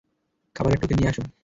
খাবারের টোকেন নিয়ে আসুন।